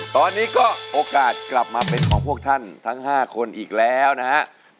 ตอนนี้ก็โอกาสกลับมาเป็นของพวกท่านทั้ง๕คนอีกแล้วนะครับ